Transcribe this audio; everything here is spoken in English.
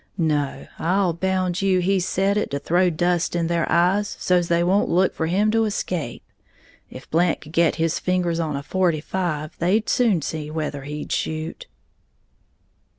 No, I'll bound you he said it to throw dust in their eyes so's they won't look for him to escape. If Blant could get his fingers on a forty five, they'd soon see whether he'd shoot!"